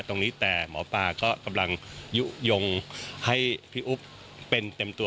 ตรงนี้แต่หมอปลาก็กำลังยุโยงให้พี่อุ๊บเป็นเต็มตัว